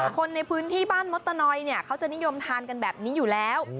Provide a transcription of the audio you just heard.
คนในพื้นที่บ้านมดตนอยเขาจะนิยมทานกันแบบนี้อยู่แล้ว